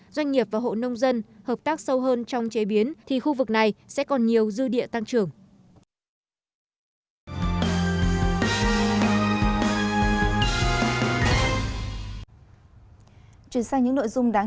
doanh nghiệp và hộ nông dân hợp tác sâu hơn trong chế biến thì khu vực này sẽ còn nhiều dư địa tăng trưởng